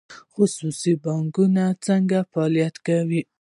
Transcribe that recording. خصوصي بانکونه څنګه فعالیت کوي؟